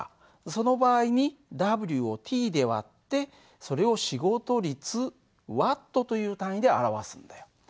その場合にＷをｔで割ってそれを仕事率Ｗという単位で表すんだよ。